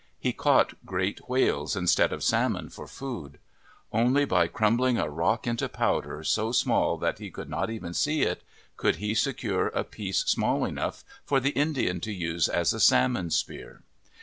He<ca"ught great whales instead of salmon for food. Only by crumbling a rock into powder so small that .he could not even see it, could he secure a" "piece small enough PREFACE for the Indian to use as a salmon spear.